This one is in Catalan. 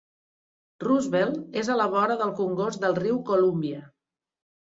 Roosevelt és a la vora del congost del riu Columbia.